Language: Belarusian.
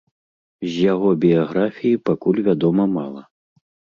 З яго біяграфіі пакуль вядома мала.